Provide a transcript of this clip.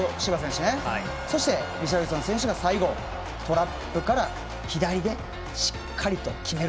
そして、リシャルリソン選手が最後トラップから左でしっかり決める。